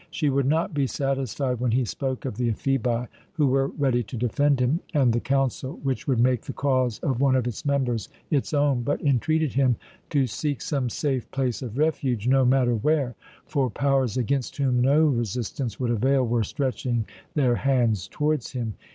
She would not be satisfied when he spoke of the Ephebi, who were ready to defend him, and the council, which would make the cause of one of its members its own, but entreated him to seek some safe place of refuge, no matter where; for powers against whom no resistance would avail were stretching their hands towards him.